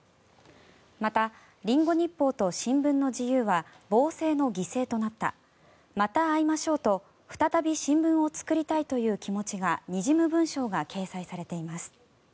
また、リンゴ日報と新聞の自由は暴政の犠牲となったまた会いましょうと、再び新聞を作りたいという気持ちがにじむ文章が掲載されています。